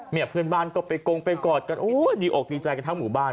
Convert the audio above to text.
เพื่อนบ้านก็ไปกงไปกอดกันโอ้ยดีอกดีใจกันทั้งหมู่บ้าน